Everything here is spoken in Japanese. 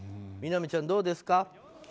みなみちゃん、どうですか。